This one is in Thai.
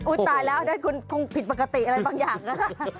อุ๊ยตายแล้วอาจารย์คุณคงผิดปกติอะไรบางอย่างนะฮะ